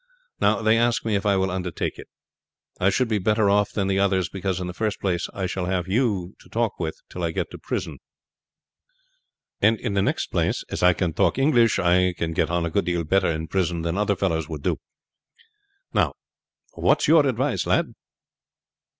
Now, they ask me if I will undertake it. I should be better off than the others; because in the first place I shall have you to talk with till I get to prison, and in the next place as I can talk English I can get on a good deal better in prison than other fellows would do. Now, what's your advice, lad?"